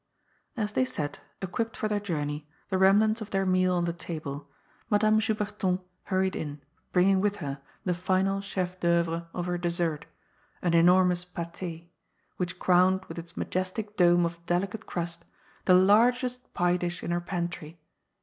As they sat, equipped for their journey, the remnants of their meaj on the table, Madame Juberton hurried in, bringing with her the final chef d^cmvre of her dessert — an enormovi^pdU — ^which crowned with its majestic dome of delicate crust the largest pie dish in her pantry.